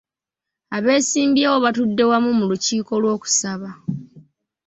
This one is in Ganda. Abeesimbyewo baatudde wamu mu lukiiko lw'okusaba.